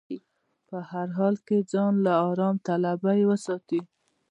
په هر حال کې ځان له ارام طلبي وساتي.